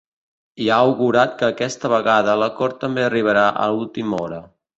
I ha augurat que aquesta vegada l’acord també arribarà a última hora.